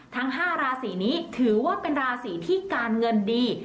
ทั้ง๕ราศีนี้ถือว่าเป็นราศีที่การเงินดี